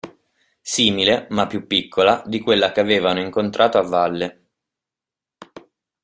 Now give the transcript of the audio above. Simile, ma più piccola, di quella che avevano incontrato a valle.